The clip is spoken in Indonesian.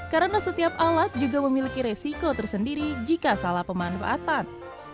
karena setiap alat juga memiliki resiko tersendiri jika salah pemanfaatan